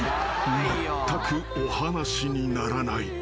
まったくお話にならない］